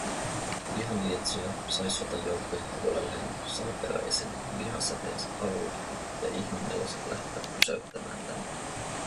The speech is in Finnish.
Vihanlietsoja sai sotajoukkoja puolelleen salaperäisen Viha-säteensä avulla ja Ihmeneloset lähtivät pysäyttämään tämän